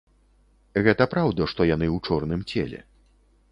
Гэта праўда, што яны ў чорным целе.